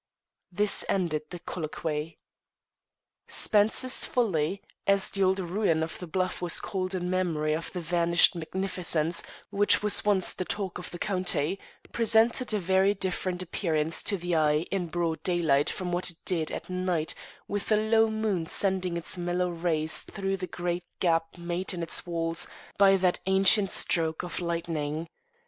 This ended the colloquy. Spencer's Folly, as the old ruin on the bluff was called in memory of the vanished magnificence which was once the talk of the county, presented a very different appearance to the eye in broad daylight from what it did at night with a low moon sending its mellow rays through the great gap made in its walls by that ancient stroke of lightning.